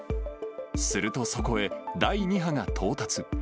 すると、そこへ第２波が到達。